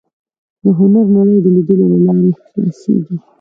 د هنر نړۍ د لیدلو له لارې خلاصېږي